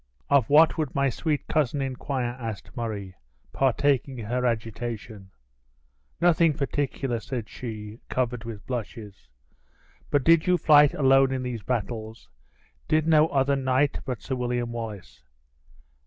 "Of what would my sweet cousin inquire?" asked Murray, partaking her agitation. "Nothing particular," said she, covered with blushes; "but did you fight alone in these battles? Did no other knight but Sir William Wallace?"